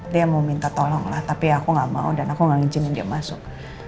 dia mau minta tolong lah tapi aku nggak mau dan aku nggak ngizinkan dia masuk